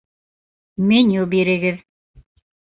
Меню бирегеҙ